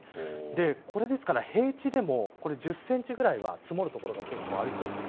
これ平地でも１０センチぐらいは積もる所が結構ありそうです。